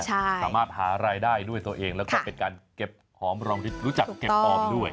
สามารถหารายได้ด้วยตัวเองแล้วก็เป็นการเก็บหอมรองรู้จักเก็บออมด้วย